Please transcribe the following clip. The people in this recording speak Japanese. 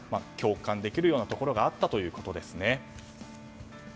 共感できるようなところがあったということですね。